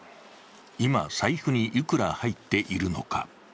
今、財布にいくら入っているのか。